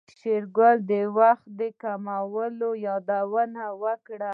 شېرګل د وخت د کموالي يادونه وکړه.